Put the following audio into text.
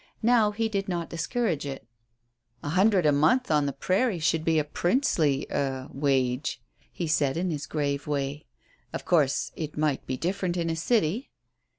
Now he did not discourage it. "A hundred a month on the prairie should be a princely er wage," he said in his grave way. "Of course it might be different in a city."